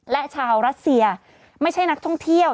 และชาวรัสเซียไม่ใช่นักท่องเที่ยว